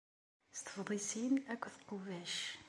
S tefḍisin akked tqubac.